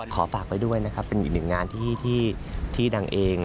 ฝากไว้ด้วยนะครับเป็นอีกหนึ่งงานที่ดังเอง